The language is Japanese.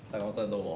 どうも。